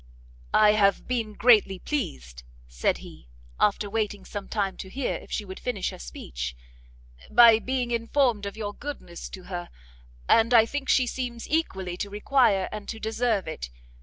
"I have been greatly pleased," said he, after waiting some time to hear if she would finish her speech, "by being informed of your goodness to her, and I think she seems equally to require and to deserve it.